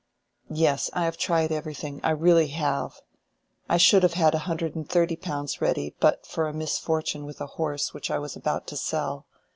"Yes, I have tried everything—I really have. I should have had a hundred and thirty pounds ready but for a misfortune with a horse which I was about to sell.